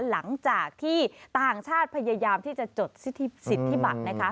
หลังจากที่ต่างชาติพยายามที่จะจดสิทธิบัตรนะคะ